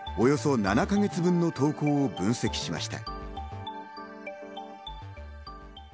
およそ７か月分の投稿を分析しました。